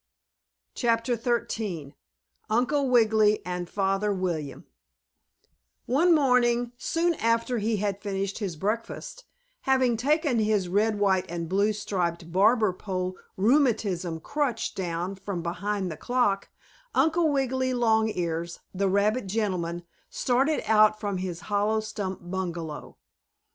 CHAPTER XIII UNCLE WIGGILY AND FATHER WILLIAM One morning, soon after he had finished his breakfast, having taken his red, white and blue striped barber pole rheumatism crutch down from behind the clock, Uncle Wiggily Longears, the rabbit gentleman, started out from his hollow stump bungalow.